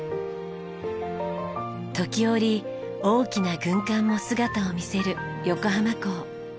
時折大きな軍艦も姿を見せる横浜港。